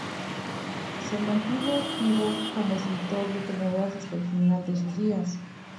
Se mantuvo activo como escritor de telenovelas hasta el final de sus días.